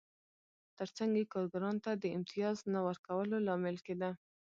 ترڅنګ یې کارګرانو ته د امتیاز نه ورکولو لامل کېده